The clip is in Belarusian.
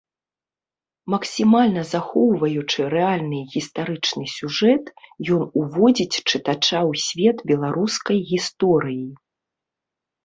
Максімальна захоўваючы рэальны гістарычны сюжэт, ён уводзіць чытача ў свет беларускай гісторыі.